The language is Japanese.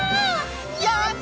やった！